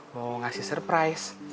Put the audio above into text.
mau ngasih surprise